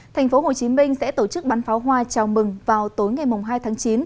tp hcm sẽ tổ chức bắn pháo hoa chào mừng vào tối ngày hai tháng chín